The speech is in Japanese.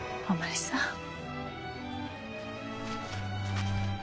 お前さん。